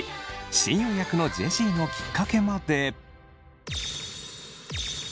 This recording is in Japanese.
親友役のジェシーのきっかけまで。